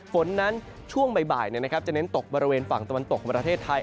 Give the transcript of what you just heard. ฝนนั้นช่วงบ่ายจะเน้นตกบริเวณฝั่งตะวันตกของประเทศไทย